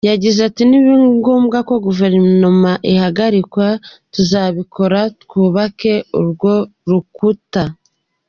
Yagize ati “Nibiba ngombwa ko na Guverinoma ihagarikwa, tuzabikora twubake urwo rukuta.